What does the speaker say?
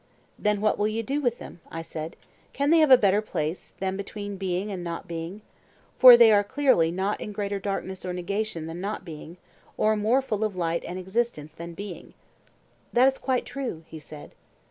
Then what will you do with them? I said. Can they have a better place than between being and not being? For they are clearly not in greater darkness or negation than not being, or more full of light and existence than being. That is quite true, he said.